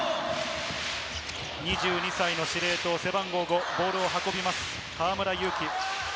２２歳の司令塔、背番号５、ボールを運びます、河村勇輝。